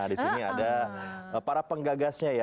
di sini ada para penggagasnya ya